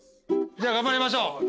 じゃあ頑張りましょう。